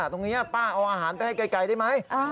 ป้าเอาอาหารไปให้ไกลได้ไหม